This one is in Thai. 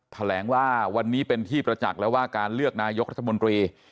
แถลงว่าวันนี้เป็นที่ประจักษ์แล้วว่าการเลือกนายกรัฐมนตรี